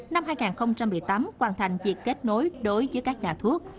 năm hai nghìn một mươi tám hoàn thành việc kết nối đối với các nhà thuốc